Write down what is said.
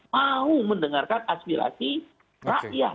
mohon maaf ya saya tanya anggota pusat ber sekolah salah satu saling melakukan